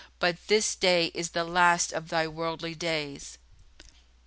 But this day is the last of thy worldly days."